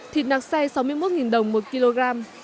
thịt nạc xay sáu mươi một đồng một kg